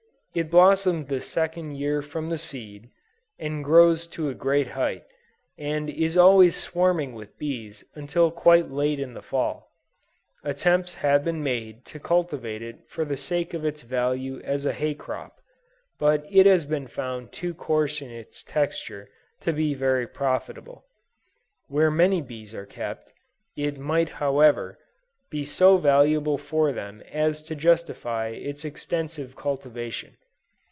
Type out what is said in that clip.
It blossoms the second year from the seed, and grows to a great height, and is always swarming with bees until quite late in the Fall. Attempts have been made to cultivate it for the sake of its value as a hay crop, but it has been found too coarse in its texture, to be very profitable. Where many bees are kept, it might however, be so valuable for them as to justify its extensive cultivation.